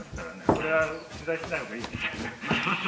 これは取材しないほうがいいですね。